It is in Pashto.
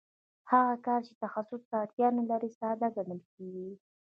هغه کار چې تخصص ته اړتیا نلري ساده ګڼل کېږي